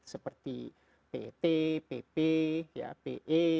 seperti pet pp pe